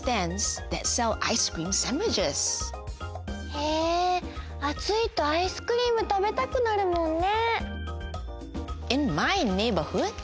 へえあついとアイスクリームたべたくなるもんね。